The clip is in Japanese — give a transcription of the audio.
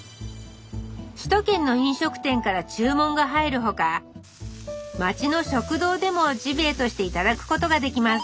首都圏の飲食店から注文が入るほか町の食堂でもジビエとしていただくことができます